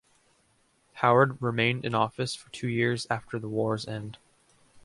Howard remained in office for two years after the war's end.